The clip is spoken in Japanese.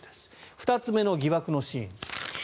２つ目の疑惑のシーン。